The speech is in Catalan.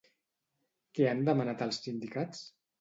Què han demanat els sindicats?